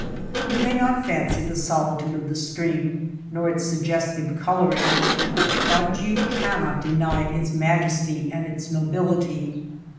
You may not fancy the solitude of the stream nor its sugges tive coloring, but you cannot deny its majesty and its nobility.